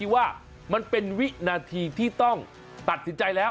ว่ามันเป็นวินาทีที่ต้องตัดสินใจแล้ว